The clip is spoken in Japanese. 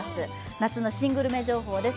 夏の新グルメ情報です。